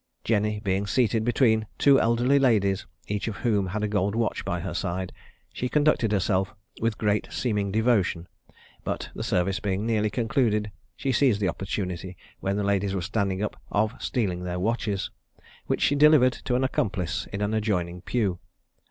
Jenny being seated between two elderly ladies, each of whom had a gold watch by her side, she conducted herself with great seeming devotion; but, the service being nearly concluded, she seized the opportunity, when the ladies were standing up, of stealing their watches, which she delivered to an accomplice in an adjoining pew.